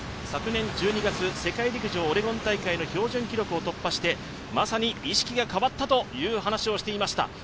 昨年１２月世界陸上オレゴン大会の標準記録を突破して、意識が変わったという話をしていました。